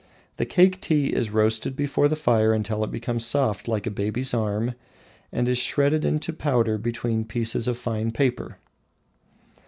The Cake tea is roasted before the fire until it becomes soft like a baby's arm and is shredded into powder between pieces of fine paper.